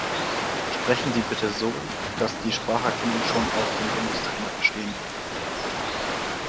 Sprechen Sie bitte so, dass die Spracherkennung schon auch den Bundestrainer verstehen wird.